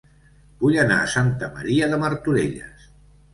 Vull anar a Santa Maria de Martorelles